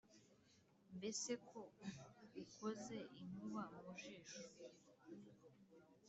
mbese ko ukoze inkuba mu jisho